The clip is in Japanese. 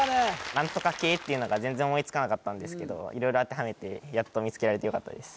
「何とか系」っていうのが全然思いつかなかったんですけど色々当てはめてやっと見つけられてよかったです